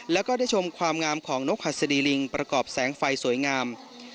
แล้วก็ได้ชมความงามของนกหัสดีลิงประกอบแสงไฟสวยงาม